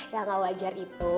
yang gak wajar itu